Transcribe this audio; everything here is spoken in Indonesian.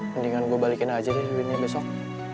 mendingan gue balikin aja deh liwinnya besok